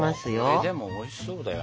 これでもおいしそうだよ。